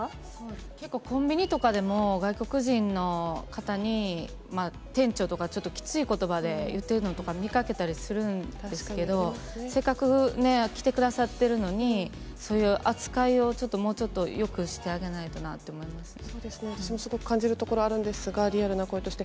結構、コンビニとかでも、外国人の方に店長とかちょっときついことばで言ってるのとか見かけたりするんですけど、せっかくね、来てくださっているのに、そういう扱いをちょっともうちょっとよくしてあげないとなって思そうですね、私もすごく感じるところあるんですが、リアルな声として。